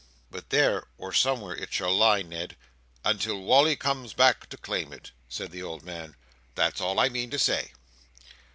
"But there or somewhere, it shall lie, Ned, until Wally comes back to claim it," said the old man. "That's all I meant to say."